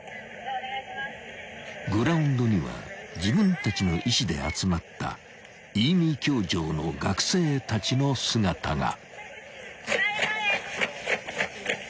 ［グラウンドには自分たちの意思で集まった飯見教場の学生たちの姿が］